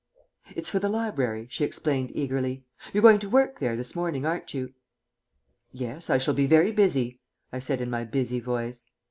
"It's for the library," she explained eagerly. "You're going to work there this morning, aren't you?" "Yes, I shall be very busy," I said in my busy voice.